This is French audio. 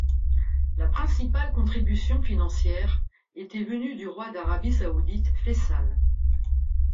La principale contribution financière était venue du roi d'Arabie Saoudite Fayçal.